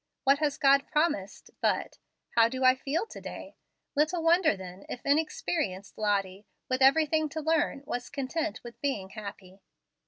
"What has God promised?" but, "How do I feel to day?" Little wonder, then, if inexperienced Lottie, with everything to learn, was content with being happy.